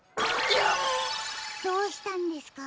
どうしたんですか？